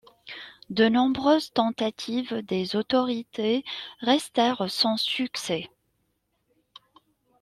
De nombreuses tentatives des autorités restèrent sans succès.